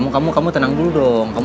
kamu kamu tenang dulu dong